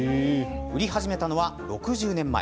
売り始めたのは６０年前。